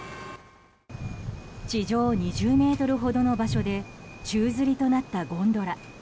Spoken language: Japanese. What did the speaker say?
地上２０ｍほどの場所で宙づりとなったゴンドラ。